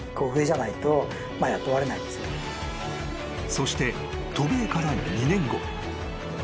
［そして渡米から２年後］